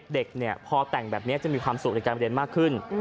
เด็กเนี่ยพอแต่งแบบนี้จะมีความสุขในการเรียนมากขึ้น